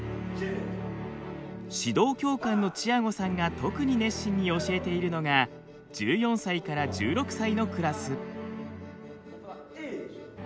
指導教官のチアゴさんが特に熱心に教えているのが１４歳から１６歳のクラス。